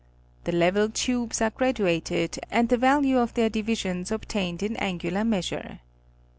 The level tubes are graduated and the value of their divisions obtained in angular measure.